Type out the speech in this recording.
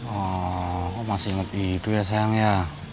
oh kok masih inget itu ya sayang ya